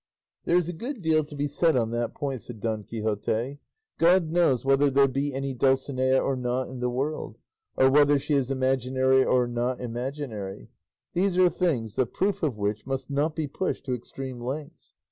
"There is a good deal to be said on that point," said Don Quixote; "God knows whether there be any Dulcinea or not in the world, or whether she is imaginary or not imaginary; these are things the proof of which must not be pushed to extreme lengths.